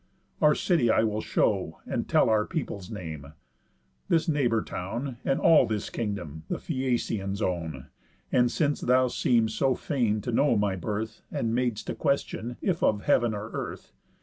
Our city I will show, And tell our people's name: This neighbour town, And all this kingdom, the Phæacians own. And (since thou seem'dst so fain to know my birth, And mad'st a question, if of heav'n or earth.)